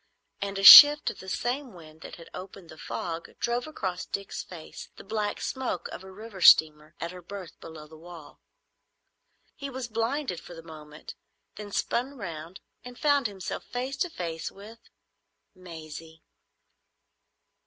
and a shift of the same wind that had opened the fog drove across Dick's face the black smoke of a river steamer at her berth below the wall. He was blinded for the moment, then spun round and found himself face to face with—Maisie.